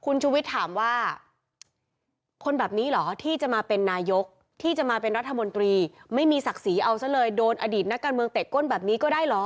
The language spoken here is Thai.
คุณชุวิตถามว่าคนแบบนี้เหรอที่จะมาเป็นนายกที่จะมาเป็นรัฐมนตรีไม่มีศักดิ์ศรีเอาซะเลยโดนอดีตนักการเมืองเตะก้นแบบนี้ก็ได้เหรอ